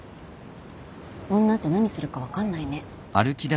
女って何するか分かんないね。